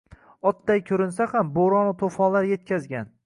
Otganday ko’rinsa ham, bo’ronu to’fonlar yetkazgan.